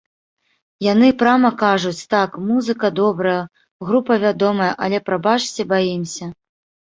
Яны прама кажуць, так, музыка добрая, група вядомая, але, прабачце, баімся.